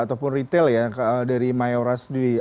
ataupun retail ya dari mayoras